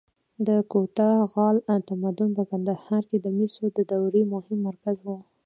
د کوتاه غال تمدن په کندهار کې د مسو د دورې مهم مرکز و